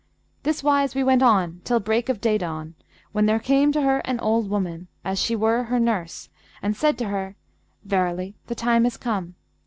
This wise we went on till break of day dawn, when there came to her an old woman, as she were her nurse, and said to her, 'Verily, the time is come.'